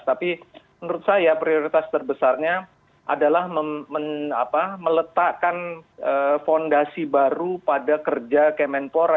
tapi menurut saya prioritas terbesarnya adalah meletakkan fondasi baru pada kerja kemenpora